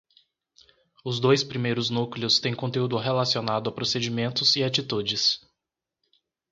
Os dois primeiros núcleos têm conteúdo relacionado a procedimentos e atitudes.